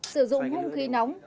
sử dụng hương khí nóng